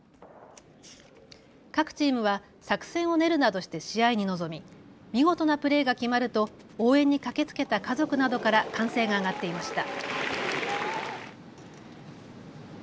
各チームは作戦を練るなどして試合に臨み、見事なプレーが決まると応援に駆けつけた家族などから歓声が上がっていました。